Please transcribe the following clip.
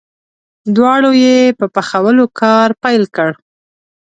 دواړو یې په پخولو کار پیل کړ.